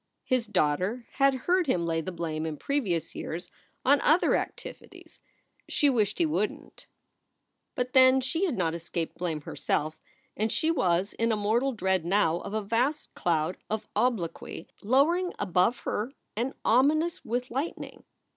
His daughter had heard him lay the blame in previous years on other activities. She wished he wouldn t. SOULS FOR SALE 3 But then she had not escaped blame herself, and she was in a mortal dread now of a vast cloud of obloquy lowering above her and ominous with lightning.